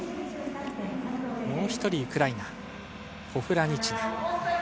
もう一人、ウクライナ、ポフラニチナ。